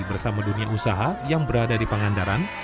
bersama dunia usaha yang berada di pangandaran